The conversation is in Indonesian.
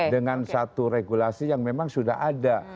dengan satu regulasi yang memang sudah ada